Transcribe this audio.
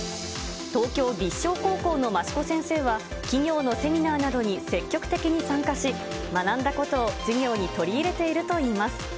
東京立正高校の増子先生は、企業のセミナーなどに積極的に参加し、学んだことを授業に取り入れているといいます。